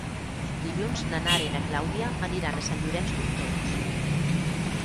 Dilluns na Nara i na Clàudia aniran a Sant Llorenç d'Hortons.